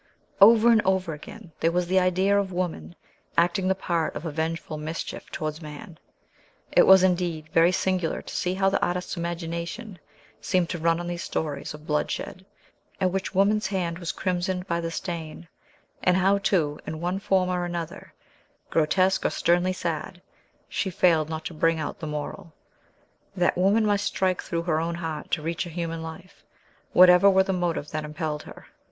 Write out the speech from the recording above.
Over and over again, there was the idea of woman, acting the part of a revengeful mischief towards man. It was, indeed, very singular to see how the artist's imagination seemed to run on these stories of bloodshed, in which woman's hand was crimsoned by the stain; and how, too, in one form or another, grotesque or sternly sad, she failed not to bring out the moral, that woman must strike through her own heart to reach a human life, whatever were the motive that impelled her.